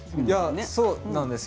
そうなんですよ